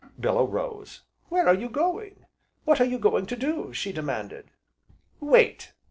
Bellew rose. "Where are you going What are you going to do?" she demanded. "Wait!"